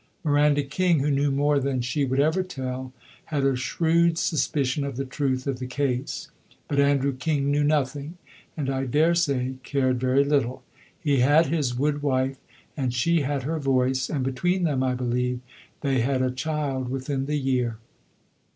Miranda King, who knew more than she would ever tell, had a shrewd suspicion of the truth of the case. But Andrew King knew nothing, and I daresay cared very little. He had his wood wife, and she had her voice; and between them, I believe, they had a child within the year.